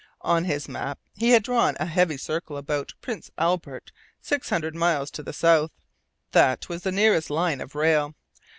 On his map he had drawn a heavy circle about Prince Albert, six hundred miles to the south. That was the nearest line of rail.